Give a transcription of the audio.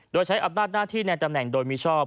โดยใช้อำนาจหน้าที่ในตำแหน่งโดยมิชอบ